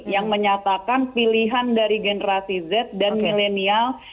yang menyatakan pilihan dari generasi z dan milenial